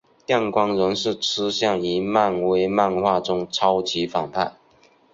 电光人是出现于漫威漫画中超级反派。